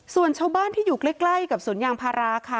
ส่วนชาวบ้านที่อยู่ใกล้กับสวนยางพาราค่ะ